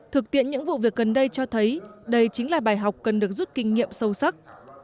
thực tiễn những vụ việc gần đây cho thấy đây chính là bài học cần được rút kinh nghiệm sâu sắc